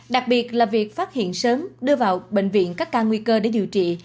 đặc biệt là việc phát hiện sớm đưa vào bệnh viện các ca nguy cơ để điều trị